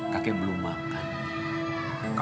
kakek belum makan